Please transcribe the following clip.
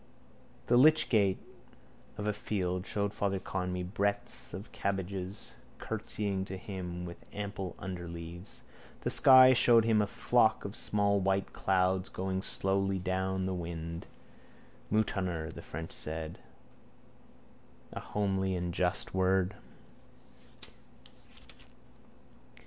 The lychgate of a field showed Father Conmee breadths of cabbages, curtseying to him with ample underleaves. The sky showed him a flock of small white clouds going slowly down the wind. Moutonner, the French said. A just and homely word.